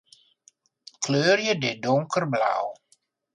Kleurje dit donkerblau.